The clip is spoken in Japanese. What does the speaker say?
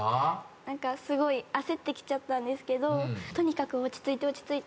何かすごい焦ってきちゃったんですけどとにかく落ち着いて落ち着いてって。